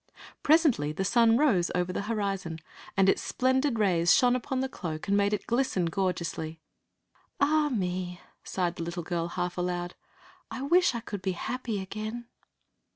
Presently the sun rose over the horizon, and its splendid rays shone upon the cloak and made it glisten gorgeously. "Ah, me!" sighed the little girl, half aloud. "I wish I could be happy again!"